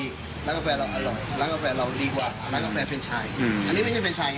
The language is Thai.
ที่ทำให้ร้านเราดูดีที่ดี